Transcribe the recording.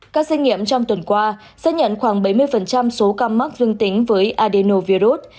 các xét nghiệm trong tuần qua xác nhận khoảng bảy mươi số ca mắc dương tính với adenovirus